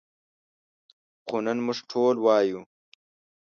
خو نن موږ ټول وایو.